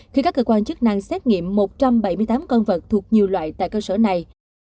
khi các cơ quan chức năng xét nghiệm một trăm bảy mươi tám con vật thuộc nhiều loại tại cơ sở này